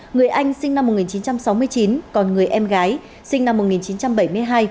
người anh sinh năm một nghìn chín trăm sáu mươi chín còn người em gái sinh năm một nghìn chín trăm bảy mươi hai